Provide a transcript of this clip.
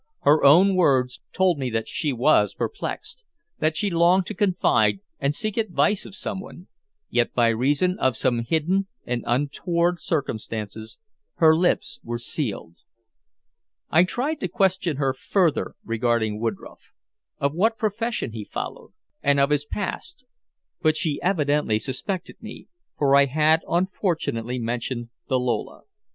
Her own words told me that she was perplexed; that she longed to confide and seek advice of someone, yet by reason of some hidden and untoward circumstance her lips were sealed. I tried to question her further regarding Woodroffe, of what profession he followed and of his past. But she evidently suspected me, for I had unfortunately mentioned the Lola.